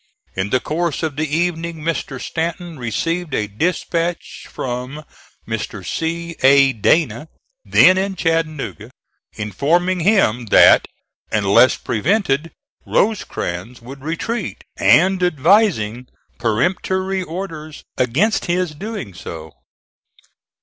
In the course of the evening Mr. Stanton received a dispatch from Mr. C. A. Dana, then in Chattanooga, informing him that unless prevented Rosecrans would retreat, and advising peremptory orders against his doing so.